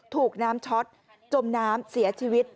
ถูกน้ำช็อตจมน้ำเสียชีวิต